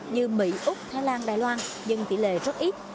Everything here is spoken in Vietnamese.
như mỹ úc thái lan đài loan nhưng tỷ lệ rất ít